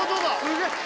すげえ！